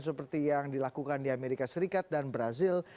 seperti yang dilakukan di amerika serikat dan brazil